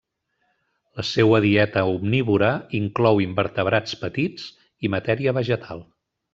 La seua dieta omnívora inclou invertebrats petits i matèria vegetal.